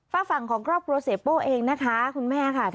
ฝั่งฝั่งของกล้อโปรเซโป้ต์เองนะคะ